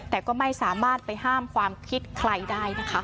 แต่ก็ไม่สามารถไปห้ามความคิดใครได้นะคะ